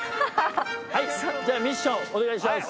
はいじゃあミッションお願いします。